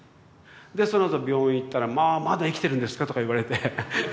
でそのあと病院行ったら「まあまだ生きてるんですか？」とか言われて。